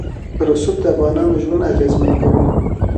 رسوب د افغانانو ژوند اغېزمن کوي.